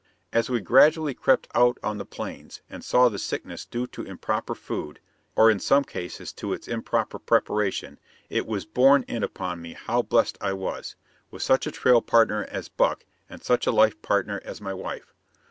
As we gradually crept out on the Plains and saw the sickness due to improper food, or in some cases to its improper preparation, it was borne in upon me how blessed I was, with such a trail partner as Buck and such a life partner as my wife.